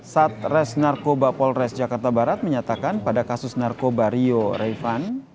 satres narkoba polres jakarta barat menyatakan pada kasus narkoba rio revan